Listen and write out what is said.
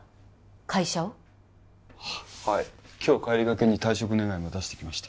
会社をはい今日帰りがけに退職願も出してきました